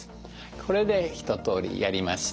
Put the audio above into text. これで一とおりやりました。